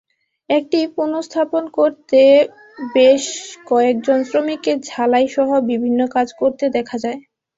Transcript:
এটি পুনঃস্থাপন করতে বেশ কয়েকজন শ্রমিককে ঝালাইসহ বিভিন্ন কাজ করতে দেখা যায়।